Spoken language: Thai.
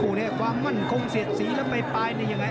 หัวในความมั่นคงเศษตสีแล้วไปปายนี่